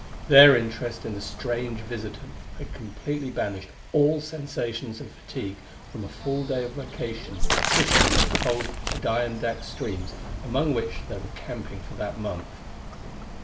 Their interest in the strange visitant had completely banished all sensations of fatigue from a full day of vacation fishing in the cold Adirondack streams among which they were camping for that month.